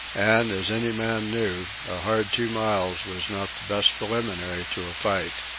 And, as any man knew, a hard two miles was not the best preliminary to a fight.